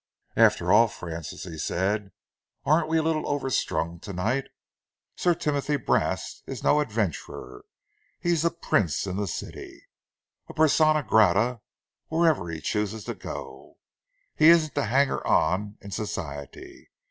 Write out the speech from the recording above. "After all, Francis," he said, "aren't we a little overstrung to night? Sir Timothy Brast is no adventurer. He is a prince in the city, a persona grata wherever he chooses to go. He isn't a hanger on in Society.